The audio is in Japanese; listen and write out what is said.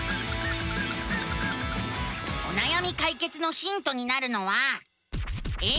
おなやみかいけつのヒントになるのは。